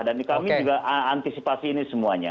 dan di kami juga antisipasi ini semuanya